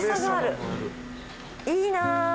いいな。